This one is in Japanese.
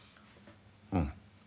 うん。